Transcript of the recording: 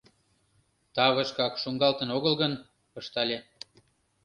— Тавышкак шуҥгалтын огыл гын... — ыштале.